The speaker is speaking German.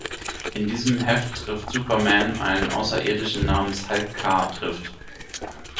In diesem Heft trifft Superman einen Außerirdischen namens Halk Kar trifft.